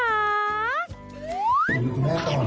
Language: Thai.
อืดุแม่ก่อนทำแรงเป็นไง